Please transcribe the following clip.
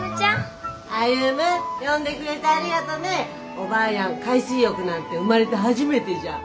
おばぁやん海水浴なんて生まれて初めてじゃん。